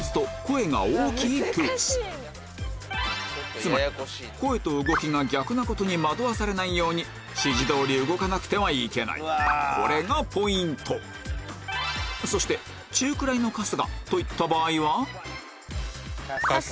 つまり声と動きが逆なことに惑わされないように指示通り動かなくてはいけないこれがポイントそしてカスカス！